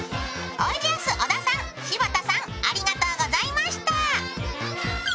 おいでやす小田さん、柴田さんありがとうございました。